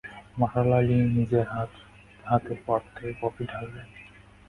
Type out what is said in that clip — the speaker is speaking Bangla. মারালা লি নিজের হাতে পট থেকে কফি ঢাললেন।